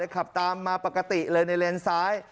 ขับตามมาปกติเลยในเลนซ้าย